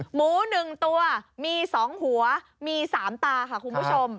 หมูหนึ่งตัวมีสองหัวมีสามตาค่ะคุณผู้ชม